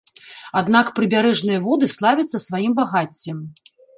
Аднак прыбярэжныя воды славяцца сваім багаццем.